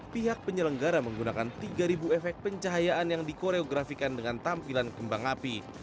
pihak penyelenggara menggunakan tiga efek pencahayaan yang dikoreografikan dengan tampilan kembang api